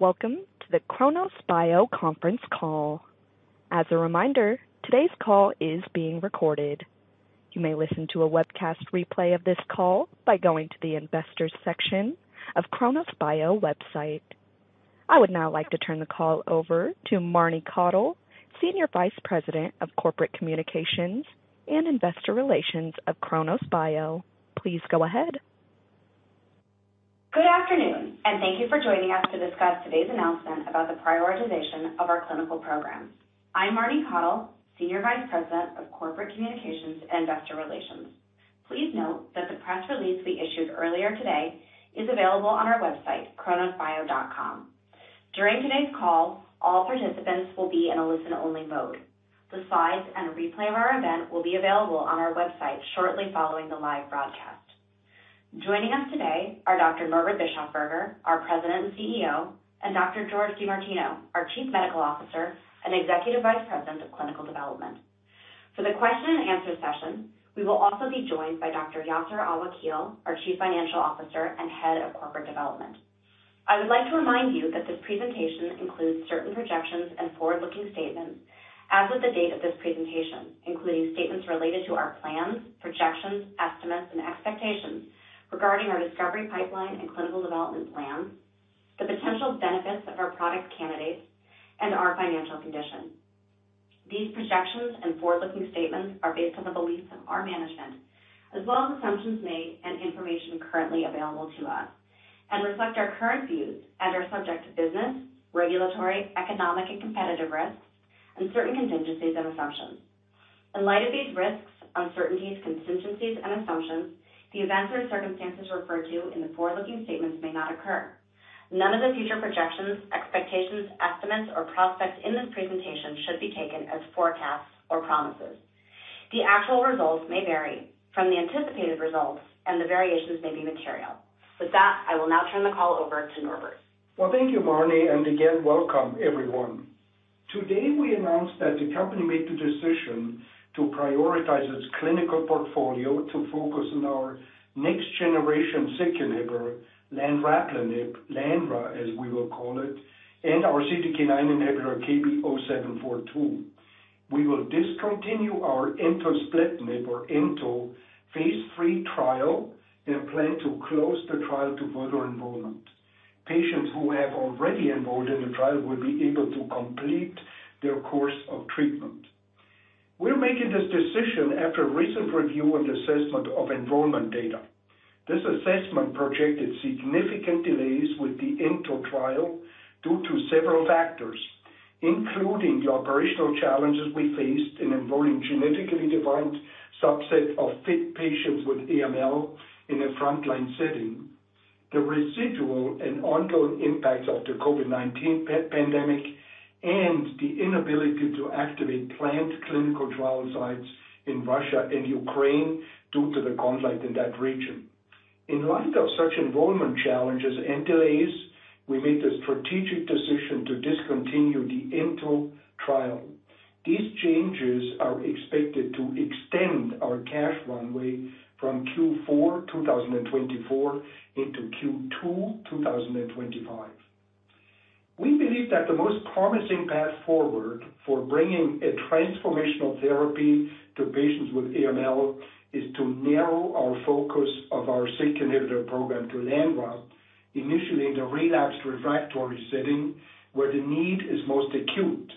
Welcome to the Kronos Bio conference call. As a reminder, today's call is being recorded. You may listen to a webcast replay of this call by going to the investors section of Kronos Bio's website. I would now like to turn the call over to Marni Kottle, Senior Vice President of Corporate Communications and Investor Relations of Kronos Bio. Please go ahead. Good afternoon, and thank you for joining us to discuss today's announcement about the prioritization of our clinical programs. I'm Marni Kottle, Senior Vice President of Corporate Communications and Investor Relations. Please note that the press release we issued earlier today is available on our website, kronosbio.com. During today's call, all participants will be in a listen-only mode. The slides and replay of our event will be available on our website shortly following the live broadcast. Joining us today are Dr. Norbert Bischofberger, our President and CEO, and Dr. Jorge DiMartino, our Chief Medical Officer and Executive Vice President of Clinical Development. For the question and answer session, we will also be joined by Dr. Yasir Al-Wakeel, our Chief Financial Officer and Head of Corporate Development. I would like to remind you that this presentation includes certain projections and forward-looking statements as of the date of this presentation, including statements related to our plans, projections, estimates, and expectations regarding our discovery pipeline and clinical development plans, the potential benefits of our product candidates, and our financial condition. These projections and forward-looking statements are based on the beliefs of our management as well as assumptions made and information currently available to us, and reflect our current views and are subject to business, regulatory, economic, and competitive risks and certain contingencies and assumptions. In light of these risks, uncertainties, contingencies, and assumptions, the events or circumstances referred to in the forward-looking statements may not occur. None of the future projections, expectations, estimates, or prospects in this presentation should be taken as forecasts or promises. The actual results may vary from the anticipated results, and the variations may be material. With that, I will now turn the call over to Norbert. Well, thank you, Marni, and again, welcome everyone. Today, we announced that the company made the decision to prioritize its clinical portfolio to focus on our next-generation SYK inhibitor, Lanraplenib, LANRA, as we will call it, and our CDK9 inhibitor, KB-0742. We will discontinue our Entospletinib or ENTO phase III trial and plan to close the trial to further enrollment. Patients who have already enrolled in the trial will be able to complete their course of treatment. We're making this decision after recent review and assessment of enrollment data. This assessment projected significant delays with the ENTO trial due to several factors, including the operational challenges we faced in enrolling genetically defined subset of fit patients with AML in a frontline setting, the residual and ongoing impacts of the COVID-19 pandemic, and the inability to activate planned clinical trial sites in Russia and Ukraine due to the conflict in that region. In light of such enrollment challenges and delays, we made the strategic decision to discontinue the ENTO trial. These changes are expected to extend our cash runway from Q4 2024 into Q2 2025. We believe that the most promising path forward for bringing a transformational therapy to patients with AML is to narrow our focus of our SYK inhibitor program to LANRA, initially in the relapsed refractory setting where the need is most acute.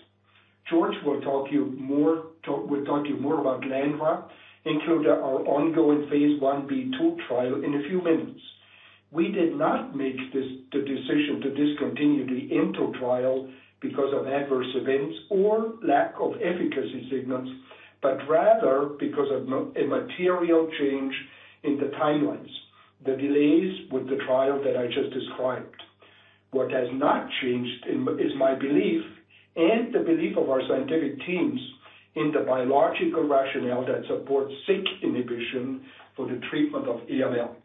Jorge will talk to you more about LANRA, including our ongoing phase I b2 trial in a few minutes. We did not make this decision to discontinue the ENTO trial because of adverse events or lack of efficacy signals, but rather because of a material change in the timelines, the delays with the trial that I just described. What has not changed is my belief and the belief of our scientific teams in the biological rationale that supports SYK inhibition for the treatment of AML.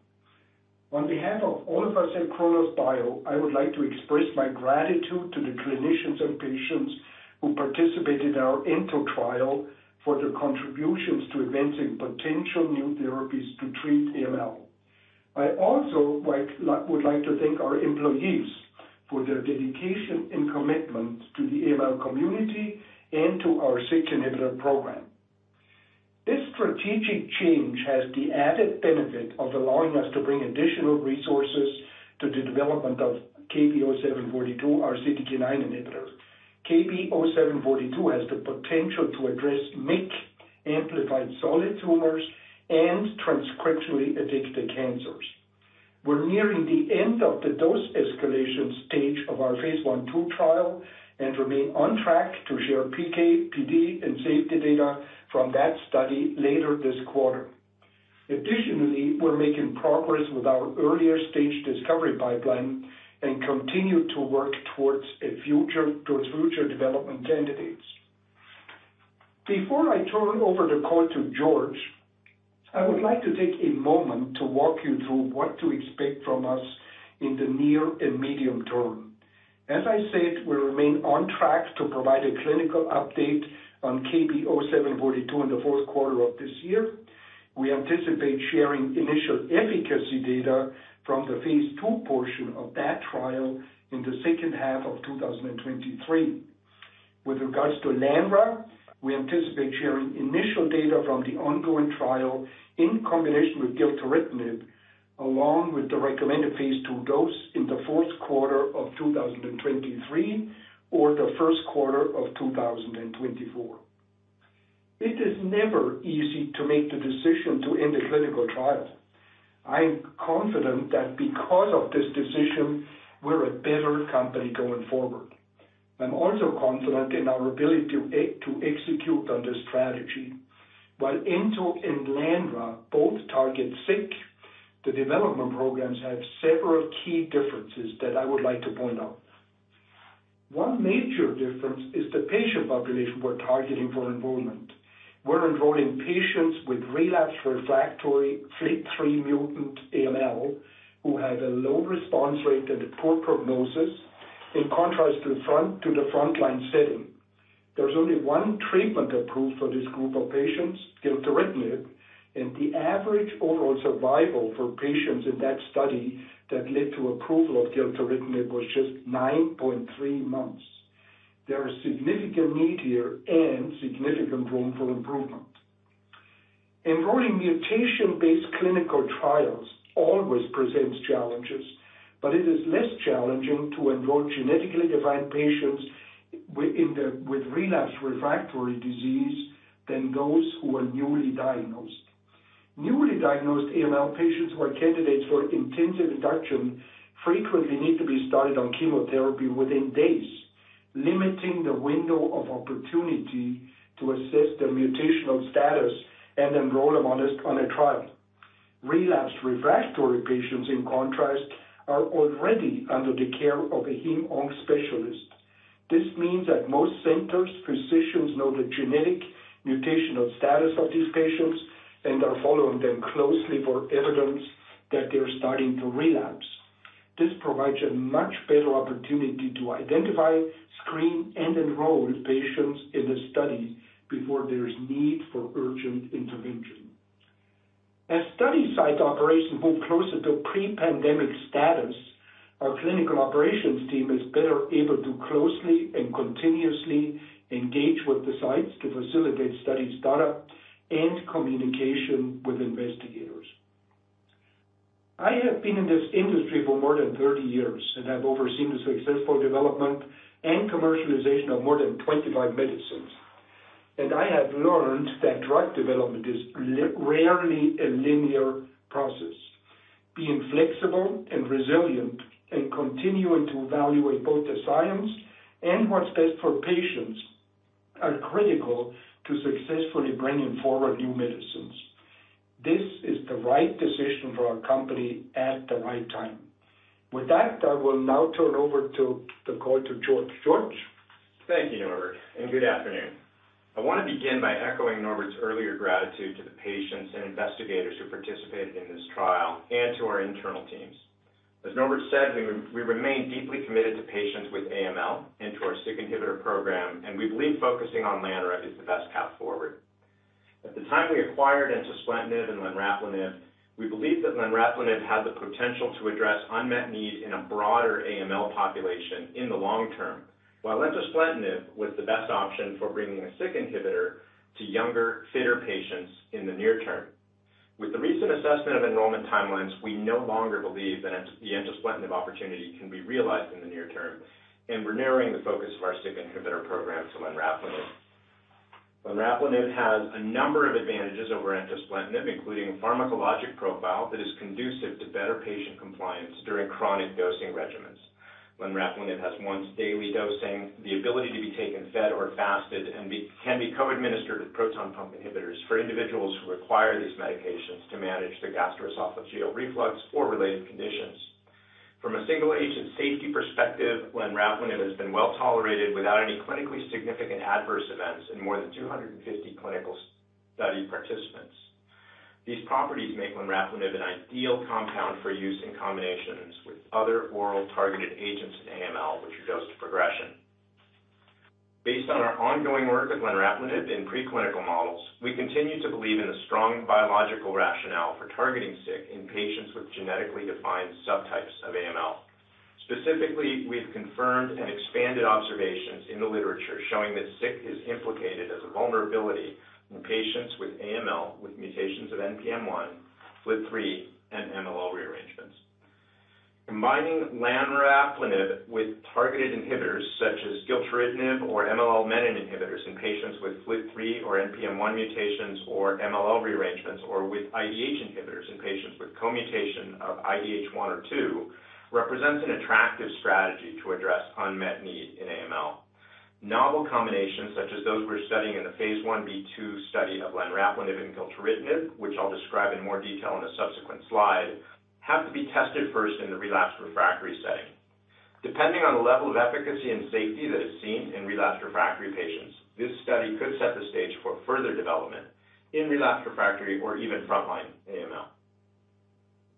On behalf of all of us at Kronos Bio, I would like to express my gratitude to the clinicians and patients who participated in our ENTO trial for their contributions to advancing potential new therapies to treat AML. I also would like to thank our employees for their dedication and commitment to the AML community and to our SYK inhibitor program. This strategic change has the added benefit of allowing us to bring additional resources to the development of KB-0742, our CDK9 inhibitor. KB-0742 has the potential to address MYC-amplified solid tumors and transcriptionally addicted cancers. We're nearing the end of the dose escalation stage of our phase I two trial and remain on track to share PK, PD, and safety data from that study later this quarter. Additionally, we're making progress with our earlier stage discovery pipeline and continue to work towards future development candidates. Before I turn over the call to Jorge, I would like to take a moment to walk you through what to expect from us in the near and medium term. On track to provide a clinical update on KB-0742 in the Q4 of this year. We anticipate sharing initial efficacy data from the phase II portion of that trial in the H2 of 2023. With regards to LANRA, we anticipate sharing initial data from the ongoing trial in combination with gilteritinib, along with the recommended phase II dose in the Q4 of 2023, or the Q1 of 2024. It is never easy to make the decision to end a clinical trial. I'm confident that because of this decision, we're a better company going forward. I'm also confident in our ability to execute on this strategy. While ENTO and Lanraplenib both target SYK, the development programs have several key differences that I would like to point out. One major difference is the patient population we're targeting for enrollment. We're enrolling patients with relapsed refractory FLT3-mutant AML, who had a low response rate and a poor prognosis, in contrast to the frontline setting. There's only one treatment approved for this group of patients, gilteritinib, and the average overall survival for patients in that study that led to approval of gilteritinib was just 9.3 months. There is significant need here and significant room for improvement. Enrolling mutation-based clinical trials always presents challenges, but it is less challenging to enroll genetically defined patients with relapsed refractory disease than those who are newly diagnosed. Newly diagnosed AML patients who are candidates for intensive induction frequently need to be started on chemotherapy within days, limiting the window of opportunity to assess their mutational status and enroll them on a trial. Relapsed refractory patients, in contrast, are already under the care of a hem-onc specialist. This means at most centers, physicians know the genetic mutational status of these patients and are following them closely for evidence that they're starting to relapse. This provides a much better opportunity to identify, screen, and enroll patients in a study before there is need for urgent intervention. As study site operations move closer to pre-pandemic status, our clinical operations team is better able to closely and continuously engage with the sites to facilitate study startup and communication with investigators. I have been in this industry for more than 30 years and have overseen the successful development and commercialization of more than 25 medicines, and I have learned that drug development is rarely a linear process. Being flexible and resilient and continuing to evaluate both the science and what's best for patients are critical to successfully bringing forward new medicines. This is the right decision for our company at the right time. With that, I will now turn the call over to Jorge. Jorge? Thank you, Norbert, and good afternoon. I wanna begin by echoing Norbert's earlier gratitude to the patients and investigators who participated in this trial and to our internal teams. As Norbert said, we remain deeply committed to patients with AML and to our SYK inhibitor program, and we believe focusing on Lanraplenib is the best path forward. At the time we acquired Entospletinib and Lanraplenib, we believed that Lanraplenib had the potential to address unmet need in a broader AML population in the long term, while Entospletinib was the best option for bringing a SYK inhibitor to younger, fitter patients in the near term. With the recent assessment of enrollment timelines, we no longer believe that the Entospletinib opportunity can be realized in the near term, and we're narrowing the focus of our SYK inhibitor program to Lanraplenib. Lanraplenib has a number of advantages over Entospletinib, including pharmacologic profile that is conducive to better patient compliance during chronic dosing regimens. Lanraplenib has once-daily dosing, the ability to be taken fed or fasted, and can be co-administered with proton pump inhibitors for individuals who require these medications to manage their gastroesophageal reflux or related conditions. From a single-agent safety perspective, Lanraplenib has been well-tolerated without any clinically significant adverse events in more than 250 clinical study participants. These properties make Lanraplenib an ideal compound for use in combinations with other oral targeted agents in AML, which are dosed to progression. Based on our ongoing work with Lanraplenib in preclinical models, we continue to believe in a strong biological rationale for targeting SYK in patients with genetically defined subtypes of AML. Specifically, we've confirmed and expanded observations in the literature showing that SYK is implicated as a vulnerability in patients with AML, with mutations of NPM1, FLT3, and MLL rearrangements. Combining Lanraplenib with targeted inhibitors such as gilteritinib or MLL Menin inhibitors in patients with FLT3 or NPM1 mutations, or MLL rearrangements, or with IDH inhibitors in patients with co-mutation of IDH1 or IDH2, represents an attractive strategy to address unmet need in AML. Novel combinations, such as those we're studying in the phase I b2 study of Lanraplenib and gilteritinib, which I'll describe in more detail in a subsequent slide, have to be tested first in the relapsed/refractory setting. Depending on the level of efficacy and safety that is seen in relapsed refractory patients, this study could set the stage for further development in relapsed refractory or even frontline AML.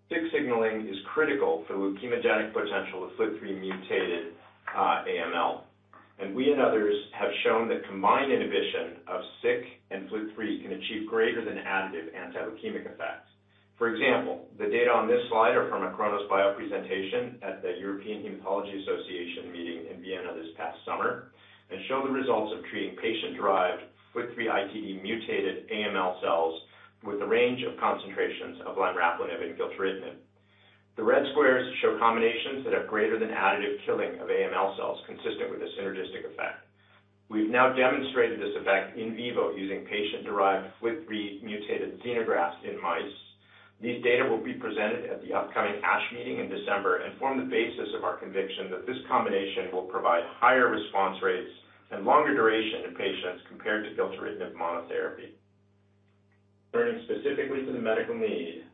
SYK signaling is critical for leukemogenic potential of FLT3-mutated AML. We and others have shown that combined inhibition of SYK and FLT3 can achieve greater than additive anti-leukemic effects. For example, the data on this slide are from a Kronos Bio presentation at the European Hematology Association meeting in Vienna this past summer, and show the results of treating patient-derived FLT3-ITD mutated AML cells with a range of concentrations of lanraplenib and gilteritinib. The red squares show combinations that have greater than additive killing of AML cells consistent with a synergistic effect. We've now demonstrated this effect in vivo using patient-derived FLT3-mutated xenografts in mice. These data will be presented at the upcoming ASH Meeting in December and form the basis of our conviction that this combination will provide higher response rates and longer duration in patients compared to gilteritinib monotherapy. Turning specifically to the medical need,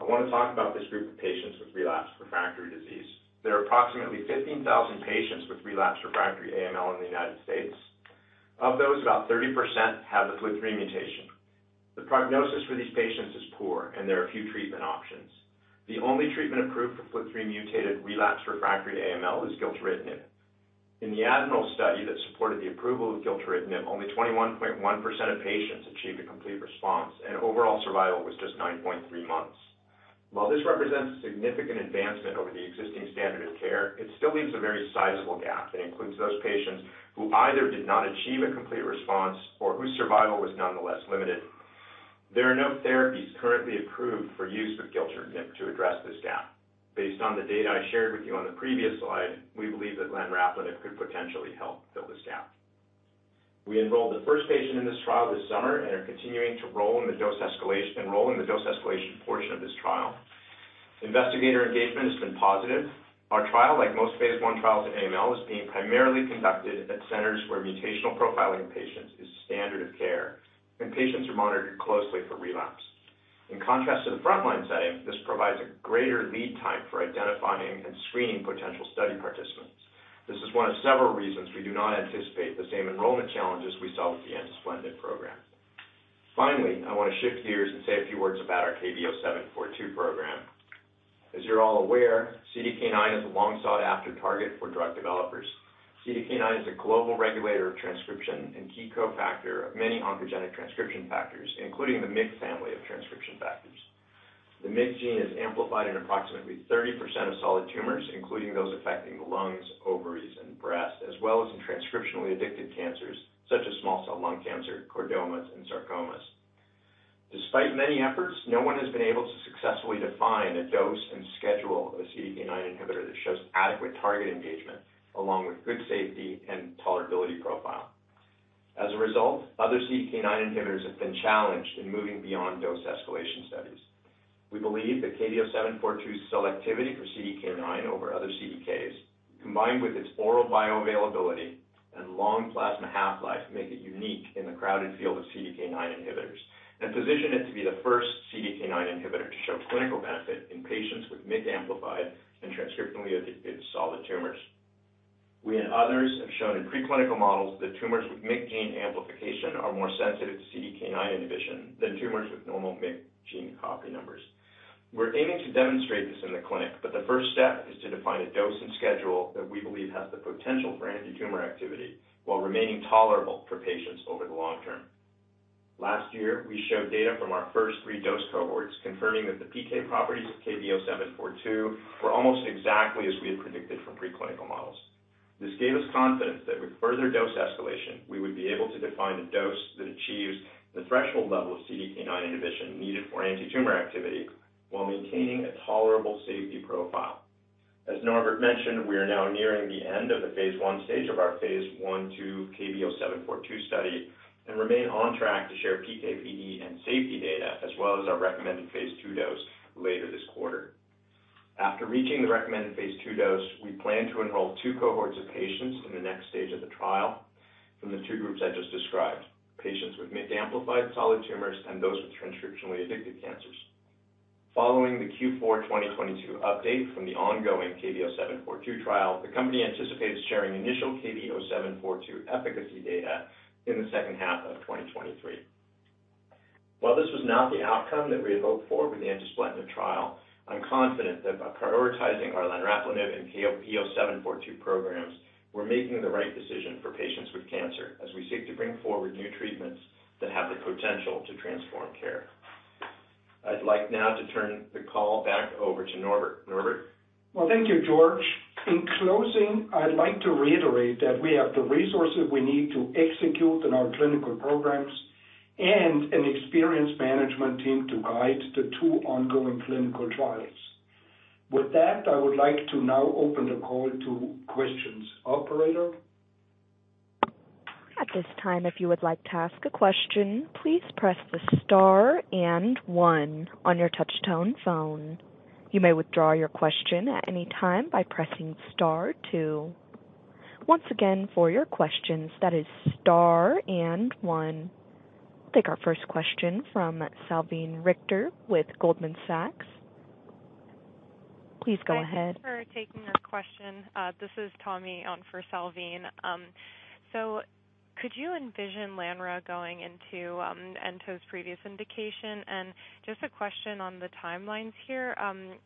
I wanna talk about this group of patients with relapsed refractory disease. There are approximately 15,000 patients with relapsed refractory AML in the United States. Of those, about 30% have a FLT3 mutation. The prognosis for these patients is poor, and there are few treatment options. The only treatment approved for FLT3-mutated relapsed refractory AML is gilteritinib. In the ADMIRAL study that supported the approval of gilteritinib, only 21.1% of patients achieved a complete response, and overall survival was just 9.3 months. While this represents significant advancement over the existing standard of care, it still leaves a very sizable gap that includes those patients who either did not achieve a complete response or whose survival was nonetheless limited. There are no therapies currently approved for use with gilteritinib to address this gap. Based on the data I shared with you on the previous slide, we believe that Lanraplenib could potentially help fill this gap. We enrolled the first patient in this trial this summer and are continuing to enroll in the dose escalation portion of this trial. Investigator engagement has been positive. Our trial, like most phase I trials in AML, is being primarily conducted at centers where mutational profiling of patients is standard of care, and patients are monitored closely for relapse. In contrast to the frontline setting, this provides a greater lead time for identifying and screening potential study participants. This is one of several reasons we do not anticipate the same enrollment challenges we saw with the Entospletinib program. Finally, I wanna shift gears and say a few words about our KB-0742 program. As you're all aware, CDK9 is a long-sought-after target for drug developers. CDK9 is a global regulator of transcription and key cofactor of many oncogenic transcription factors, including the MYC family of transcription factors. The MYC gene is amplified in approximately 30% of solid tumors, including those affecting the lungs, ovaries, and breast, as well as in transcriptionally addicted cancers such as small cell lung cancer, chordomas, and sarcomas. Despite many efforts, no one has been able to successfully define a dose and schedule of a CDK9 inhibitor that shows adequate target engagement along with good safety and tolerability profile. As a result, other CDK9 inhibitors have been challenged in moving beyond dose escalation studies. We believe that KB-0742's selectivity for CDK9 over other CDKs, combined with its oral bioavailability and long plasma half-life, make it unique in the crowded field of CDK9 inhibitors and position it to be the first CDK9 inhibitor to show clinical benefit in patients with MYC-amplified and transcriptionally addicted solid tumors. We and others have shown in preclinical models that tumors with MYC gene amplification are more sensitive to CDK9 inhibition than tumors with normal MYC gene copy numbers. We're aiming to demonstrate this in the clinic, but the first step is to define a dose and schedule that we believe has the potential for antitumor activity while remaining tolerable for patients over the long term. Last year, we showed data from our first three dose cohorts confirming that the PK properties of KB-0742 were almost exactly as we had predicted from preclinical models. This gave us confidence that with further dose escalation, we would be able to define a dose that achieves the threshold level of CDK9 inhibition needed for antitumor activity while maintaining a tolerable safety profile. As Norbert mentioned, we are now nearing the end of the phase I stage of our phase I two KB-0742 study and remain on track to share PK, PD, and safety data as well as our recommended phase II dose later this quarter. After reaching the recommended phase II dose, we plan to enroll two cohorts of patients in the next stage of the trial from the two groups I just described, patients with MYC-amplified solid tumors and those with transcriptionally addicted cancers. Following the Q4 2022 update from the ongoing KB-0742 trial, the company anticipates sharing initial KB-0742 efficacy data in the H2 of 2023. While this was not the outcome that we had hoped for with the entospletinib trial, I'm confident that by prioritizing our lanraplenib and KB-0742 programs, we're making the right decision for patients with cancer as we seek to bring forward new treatments that have the potential to transform care. I'd like now to turn the call back over to Norbert. Norbert? Well, thank you, Jorge. In closing, I'd like to reiterate that we have the resources we need to execute on our clinical programs and an experienced management team to guide the two ongoing clinical trials. With that, I would like to now open the call to questions. Operator? At this time, if you would like to ask a question, please press the star and one on your touch tone phone. You may withdraw your question at any time by pressing star two. Once again, for your questions, that is star and one. Take our first question from Salveen Richter with Goldman Sachs. Please go ahead. Thanks for taking our question. This is Toni on for Salveen. Could you envision LANRA going into Ento's previous indication? Just a question on the timelines here.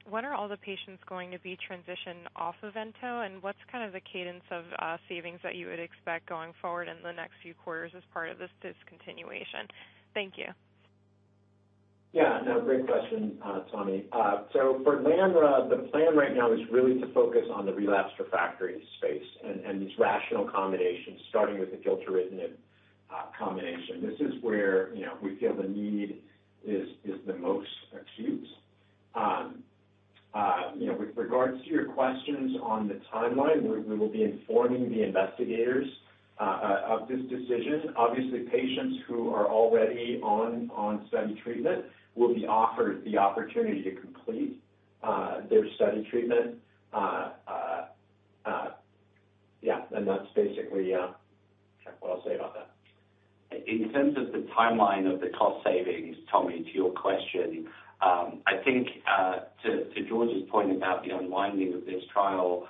When are all the patients going to be transitioned off of ENTO, and what's kind of the cadence of savings that you would expect going forward in the next few quarters as part of this discontinuation? Thank you. Yeah. No, great question, Toni. For LANRA, the plan right now is really to focus on the relapsed refractory space and these rational combinations, starting with the gilteritinib combination. This is where, you know, we feel the need is the most acute. You know, with regards to your questions on the timeline, we will be informing the investigators of this decision. Obviously, patients who are already on study treatment will be offered the opportunity to complete their study treatment. Yeah, and that's basically what I'll say about that. In terms of the timeline of the cost savings, Toni to your question, I think, to Jorge's point about the unwinding of this trial,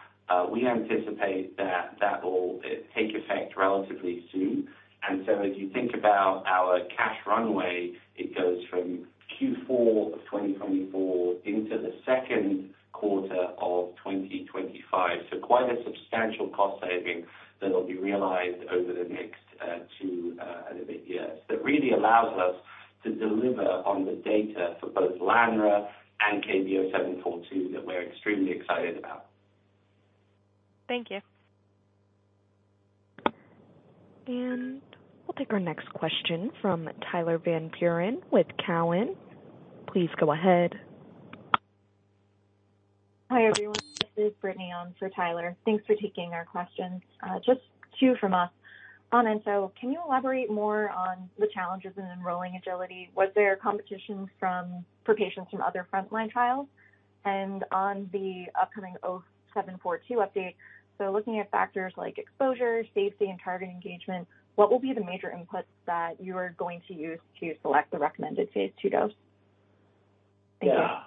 we anticipate that will take effect relatively soon. As you think about our cash runway, it goes from Q4 of 2024 into the Q2 of 2025. Quite a substantial cost saving that'll be realized over the next two and a bit years. That really allows us to deliver on the data for both LANRA and KB-0742 that we're extremely excited about. Thank you. We'll take our next question from Tyler Van Buren with Cowen. Please go ahead. Hi, everyone. This is Brittany on for Tyler. Thanks for taking our questions. Just two from us. On ENTO, can you elaborate more on the challenges in enrolling AGILITY? Was there competition from, for patients from other frontline trials? On the upcoming 0742 update, so looking at factors like exposure, safety and target engagement, what will be the major inputs that you are going to use to select the recommended phase II dose? Yeah.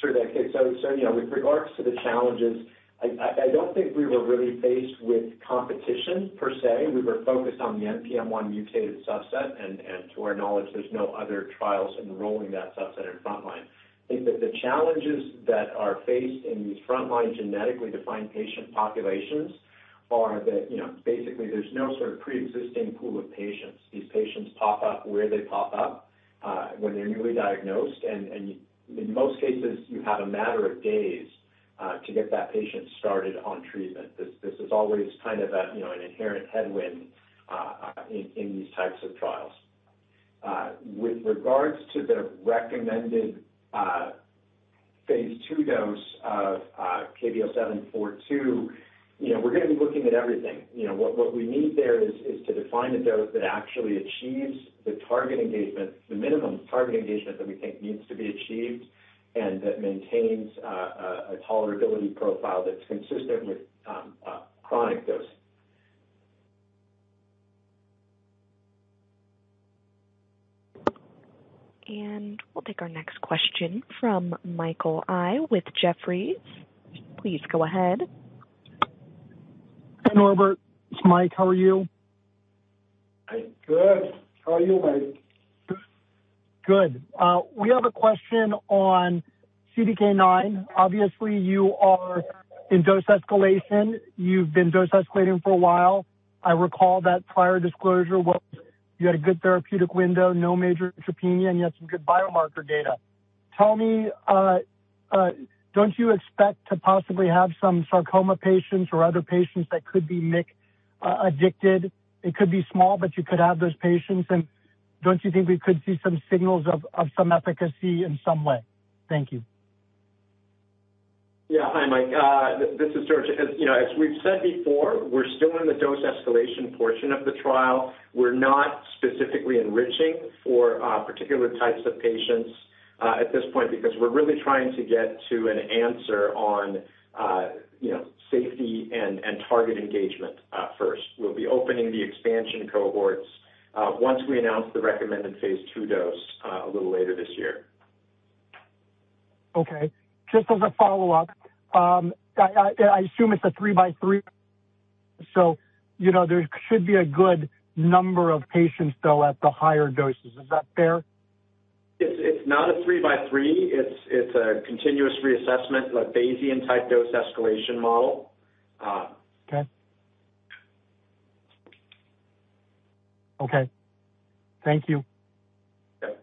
Sure. Okay. With regards to the challenges, I don't think we were really faced with competition per se. We were focused on the NPM1-mutated subset. To our knowledge, there's no other trials enrolling that subset in frontline. I think that the challenges that are faced in these frontline genetically defined patient populations are that, you know, basically there's no sort of pre-existing pool of patients. These patients pop up where they pop up when they're newly diagnosed. In most cases, you have a matter of days to get that patient started on treatment. This is always kind of a, you know, an inherent headwind in these types of trials. With regards to the recommended phase II dose of KB-0742, you know, we're gonna be looking at everything. You know, what we need there is to define a dose that actually achieves the target engagement, the minimum target engagement that we think needs to be achieved, and that maintains a tolerability profile that's consistent with chronic dose. We'll take our next question from Michael Yee with Jefferies. Please go ahead. Hi, Norbert. It's Mike. How are you? I'm good. How are you, Mike? Good. We have a question on CDK9. Obviously, you are in dose escalation. You've been dose escalating for a while. I recall that prior disclosure was you had a good therapeutic window, no major neutropenia, and you had some good biomarker data. Tell me, don't you expect to possibly have some sarcoma patients or other patients that could be addicted? It could be small, but you could have those patients. Don't you think we could see some signals of some efficacy in some way? Thank you. Yeah. Hi, Mike. This is Jorge. As you know, as we've said before, we're still in the dose escalation portion of the trial. We're not specifically enriching for particular types of patients at this point because we're really trying to get to an answer on you know, safety and target engagement first. We'll be opening the expansion cohorts once we announce the recommended phase II dose a little later this year. Okay. Just as a follow-up, yeah, I assume it's a three by three. You know, there should be a good number of patients though at the higher doses. Is that fair? It's not a three by three. It's a continuous reassessment, a Bayesian type dose escalation model. Okay. Thank you. Yep.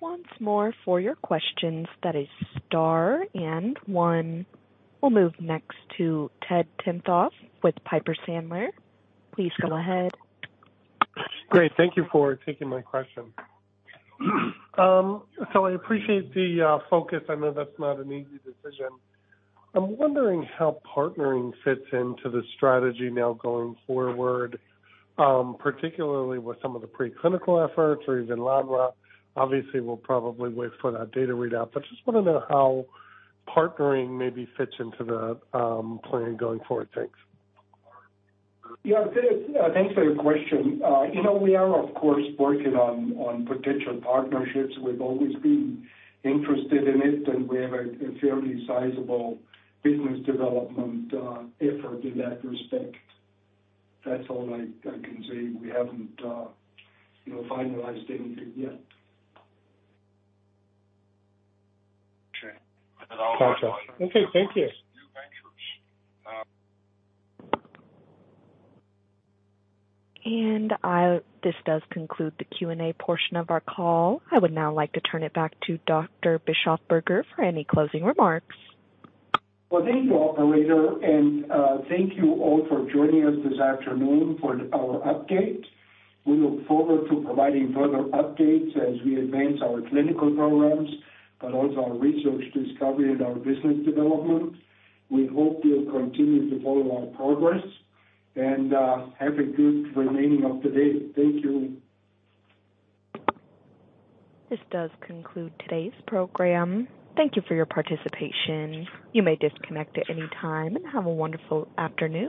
Once more for your questions, that is star and one. We'll move next to Ted Tenthoff with Piper Sandler. Please go ahead. Great. Thank you for taking my question. I appreciate the focus. I know that's not an easy decision. I'm wondering how partnering fits into the strategy now going forward, particularly with some of the preclinical efforts or even LANRA. Obviously, we'll probably wait for that data readout, but just wanna know how partnering maybe fits into the plan going forward. Thanks. Yeah. Ted, thanks for your question. You know, we are of course working on potential partnerships. We've always been interested in it, and we have a fairly sizable business development effort in that respect. That's all I can say. We haven't, you know, finalized anything yet. Okay. Gotcha. Okay. Thank you. Thank you. This does conclude the Q&A portion of our call. I would now like to turn it back to Dr. Bischofberger for any closing remarks. Well, thank you, operator, and thank you all for joining us this afternoon for our update. We look forward to providing further updates as we advance our clinical programs, but also our research discovery and our business development. We hope you'll continue to follow our progress and have a good remaining of the day. Thank you. This does conclude today's program. Thank you for your participation. You may disconnect at any time, and have a wonderful afternoon.